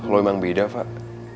lo emang beda fak